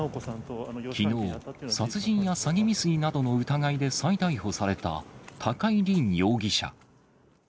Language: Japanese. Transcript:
きのう、殺人や詐欺未遂などの疑いで再逮捕された高井凜容疑者。